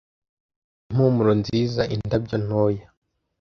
impumuro nziza indabyo ntoya